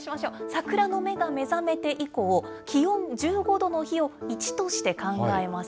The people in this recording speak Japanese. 桜の芽が目覚めて以降、気温１５度の日を１として考えます。